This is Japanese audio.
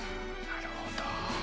なるほど。